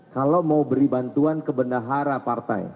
kalau mau beri bantuan ke benahara partai